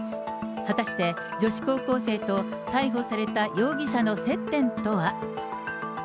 果たして女子高校生と逮捕された容疑者の接点とは。